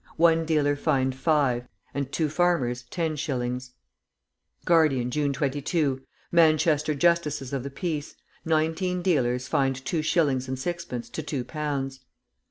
One dealer fined five, and two farmers ten shillings. Guardian, June 22, Manchester Justices of the Peace. Nineteen dealers fined two shillings and sixpence to two pounds.